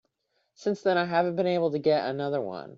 Since then I haven't been able to get another one.